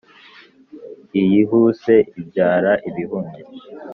Iyihuse ibyara ibihumye.